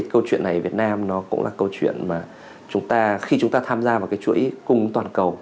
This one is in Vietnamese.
câu chuyện này ở việt nam cũng là câu chuyện mà khi chúng ta tham gia vào chuỗi cung ứng toàn cầu